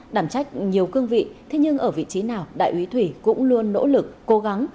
đảm trách nhiều cương vị thế nhưng ở vị trí nào đại úy thủy cũng luôn nỗ lực cố gắng